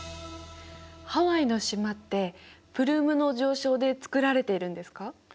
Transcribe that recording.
ハワイの島ってプルームの上昇でつくられているんですか？